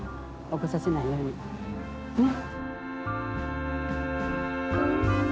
起こさせないようにね。